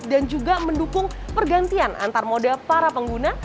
dan juga mendukung pergantian antarmoda para pengguna